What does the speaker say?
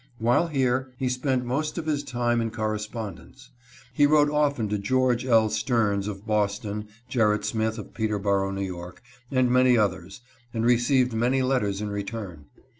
While here, he spent most of his time in correspondence. He wrote often to George L. Stearns of Boston, Gerritt Smith of Peterboro, N. Y., and many others, and received many letters in return.